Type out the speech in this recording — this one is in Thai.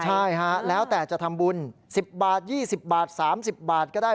ใช่ฮะแล้วแต่จะทำบุญ๑๐บาท๒๐บาท๓๐บาทก็ได้